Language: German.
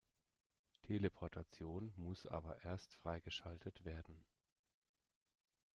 Teleportation muss aber erst freigeschaltet werden.